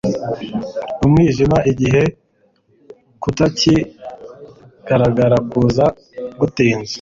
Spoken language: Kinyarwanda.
UMWIJIMA igihe kutakigaragara kuza gutinze